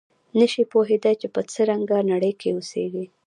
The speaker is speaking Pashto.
نه شي پوهېدای چې په څه رنګه نړۍ کې اوسېږي.